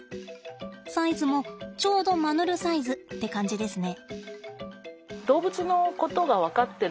サイズもちょうどマヌルサイズって感じですね。